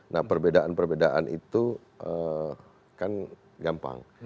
nah perbedaan perbedaan itu kan gampang